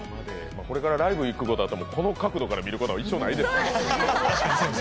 これからライブ行くことあっても、この角度で見ることは一生ないでしょ。